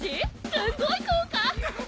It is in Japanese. すっごい効果！